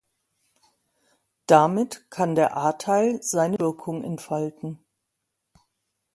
Damit kann der A-Teil seine Wirkung entfalten.